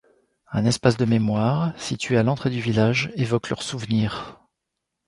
Un espace de mémoire situé à l'entrée du village évoque leur souvenir.